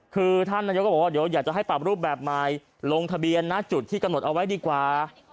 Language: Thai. คือท่านนายกก็บอกว่าเดี๋ยวอยากจะให้ปรับรูปแบบใหม่ลงทะเบียนนะจุดที่กำหนดเอาไว้ดีกว่า